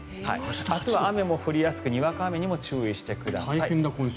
明日は雨も降りやすくにわか雨にも注意してください。